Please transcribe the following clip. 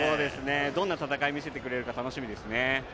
どんな戦いを見せてくれるか楽しみですね。